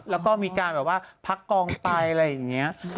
แล้วก็มีการแบบว่าพักกองไปอะไรอย่างนี้